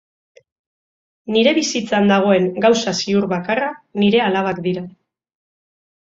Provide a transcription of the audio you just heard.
Nire bizitzan dagoen gauza ziur bakarra nire alabak dira.